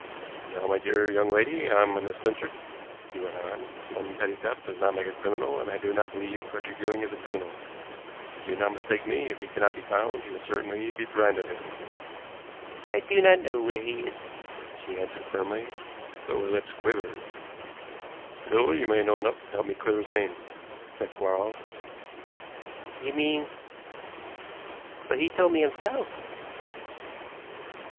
"Now, my dear young lady, I'm an eccentric," he went on. "One petty theft does not make a criminal, and I do not believe Frederick Ewing is a criminal. But do not mistake me; if he cannot be found he will certainly be branded as one." "I do not know where he is," she answered firmly, though her lips quivered. "Still, you may know enough to help me to clear his name," said Quarles. "You mean but he told me himself."